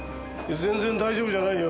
全然大丈夫じゃないよ。